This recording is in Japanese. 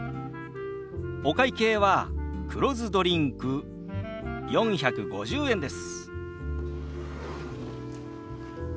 お会計は黒酢ドリンク４５０円です。